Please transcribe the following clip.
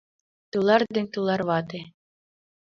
Тулар ден тулар вате